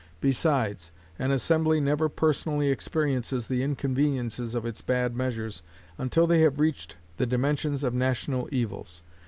Besides, an assembly never personally experiences the inconveniences of its bad measures until they have reached the dimensions of national evils.